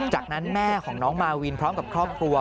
จากนั้นแม่ของน้องมาวินพร้อมกับครอบครัว